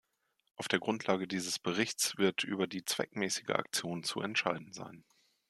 Auf der Grundlage dieses Berichts wird über die zweckmäßige Aktion zu entscheiden sein.